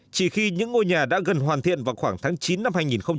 chỉ khi những ngôi nhà đã gần hoàn thiện vào khoảng tháng chín năm hai nghìn một mươi chín